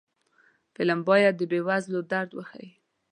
فلم باید د بې وزلو درد وښيي